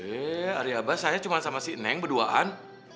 iya hari abah saya cuma sama si neng berduaan